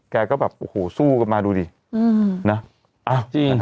แกก็สู้กับมาดูดิ